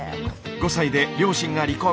５歳で両親が離婚。